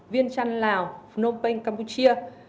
vien chanh lào phnom penh campuchia